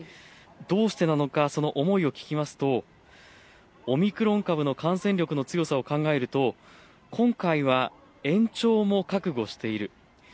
どうしてなのか、その思いを聞きますとオミクロン株の感染力の強さを考えると今回は延長も覚悟している。